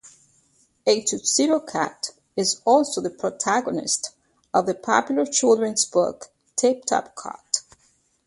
A tuxedo cat is also the protagonist of the popular children's book Tip-Top Cat.